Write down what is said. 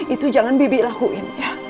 itu jangan bebe lakuin ya